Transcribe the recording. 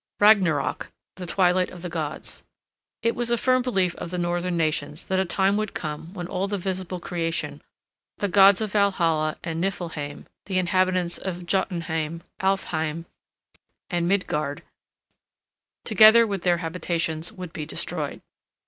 RAGNAROK, THE TWILIGHT OF THE GODS It was a firm belief of the northern nations that a time would come when all the visible creation, the gods of Valhalla and Niffleheim, the inhabitants of Jotunheim, Alfheim, and Midgard, together with their habitations, would be destroyed.